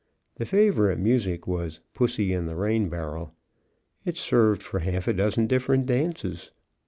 The favorite music was "Pussy in the Rainbarrel;" it served for a half dozen different dances.